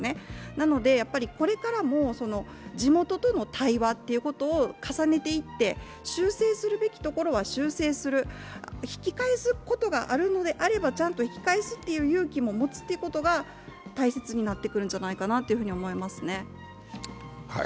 なのでこれからも、地元との対話っていうことを重ねていって修正するべきところは修正する、引き返すことがあるのであれば、ちゃんと引き返す勇気も持つことが大切になってくるんじゃないかと思いますね。